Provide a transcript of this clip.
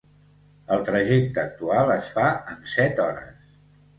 El trajecte actual es fa en set hores.